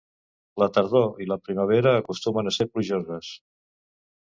La tardor i la primavera acostumen a ser plujoses.